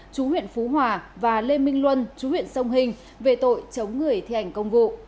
chú huyện phú hòa và lê minh luân chú huyện sông hình về tội chống người thi hành công vụ